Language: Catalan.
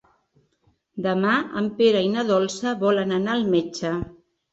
Demà en Pere i na Dolça volen anar al metge.